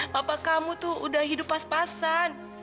pak dekmu sudah hidup pas pasan